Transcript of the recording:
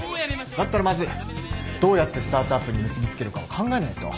だったらまずどうやってスタートアップに結び付けるかを考えないと。